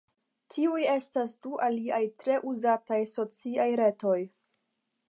Tiuj estas du aliaj tre uzataj sociaj retoj.